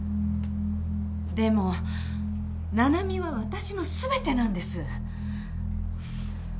でも七海は私の全てなんです。